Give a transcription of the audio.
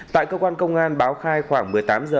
tại cơ quan công an báo khai khoảng một mươi tám h